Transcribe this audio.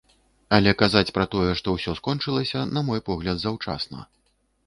Але казаць пра тое, што ўсё скончылася, на мой погляд, заўчасна.